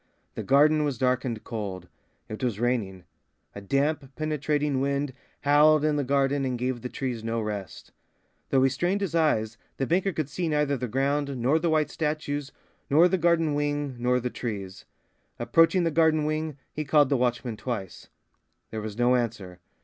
The garden was dark and cold. It was raining. A damp, penetrating wind howled in the garden and gave the trees no rest. Though he strained his eyes, the banker could see neither the ground, nor the white statues, nor the garden wing, nor the trees. Approaching the garden wing, he called the watchman twice. There was no answer.